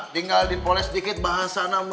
tinggal dipoles dikit bahasa namanya